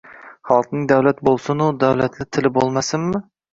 Xalqning davlati bo‘lsin-u davlatli tili bo‘lmasinmi?